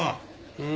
うん？